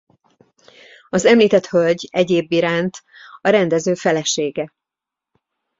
Az említett hölgy egyébiránt a rendező felesége.